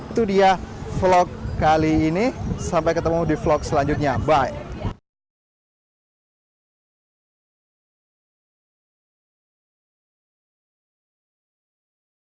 itu dia vlog kali ini sampai ketemu di vlog selanjutnya by